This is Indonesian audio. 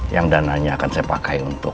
yang dananya akan saya pakai untuk